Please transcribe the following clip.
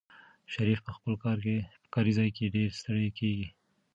شریف په خپل کاري ځای کې ډېر ستړی کېږي.